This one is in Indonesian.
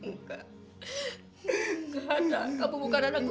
masa allah anakmu